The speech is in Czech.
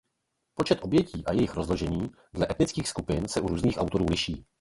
Počet obětí a jejich rozložení dle etnických skupin se u různých autorů liší.